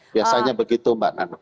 biasanya begitu mbak nana